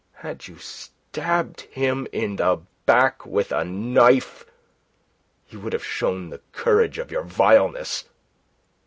Had you stabbed him in the back with a knife, you would have shown the courage of your vileness.